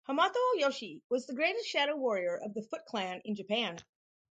Hamato Yoshi was the greatest shadow warrior of the Foot Clan in Japan.